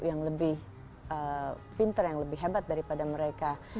yang lebih pinter yang lebih hebat daripada mereka